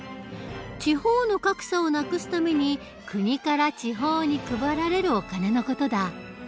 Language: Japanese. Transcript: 地方の格差をなくすために国から地方に配られるお金の事だ。